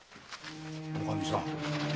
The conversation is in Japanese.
おかみさん